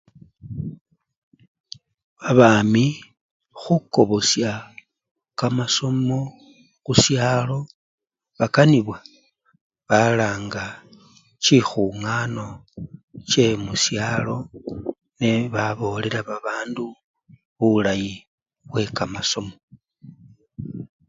Babami khukobosha kamasomo khushalo bakanibwa balanga chikhungano chemushalo nebabolela babandu bulayi bwe kamasomo.